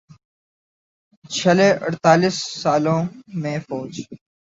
چھلے اڑتالیس سالوں میں فوج